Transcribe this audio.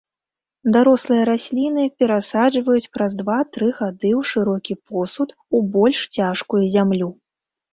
Дарослыя расліны перасаджваюць праз два-тры гады ў шырокі посуд, у больш цяжкую зямлю.